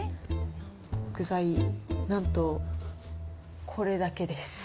具材、なんとこれだけです。